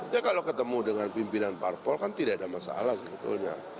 ya kalau ketemu dengan pimpinan parpol kan tidak ada masalah sebetulnya